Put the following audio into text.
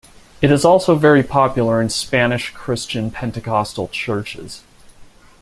It is also very popular in Spanish Christian Pentecostal churches.